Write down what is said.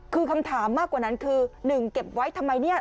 คือคำถามมากกว่านั้นคือ๑เก็บไว้ทำไมเนี่ย